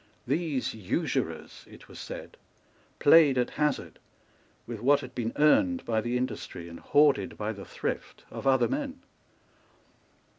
These usurers, it was said, played at hazard with what had been earned by the industry and hoarded by the thrift of other men.